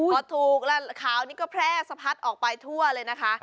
พอถูกแล้วข่าวนี้ก็แพร่สะพัดออกไปทั่วเลยนะคะ